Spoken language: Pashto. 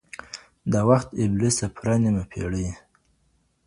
د وخت ابلیسه پوره نیمه پېړۍ